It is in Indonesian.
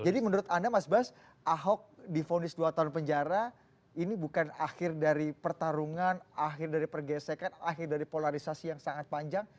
jadi menurut anda mas bas ahok difundis dua tahun penjara ini bukan akhir dari pertarungan akhir dari pergesekan akhir dari polarisasi yang sangat panjang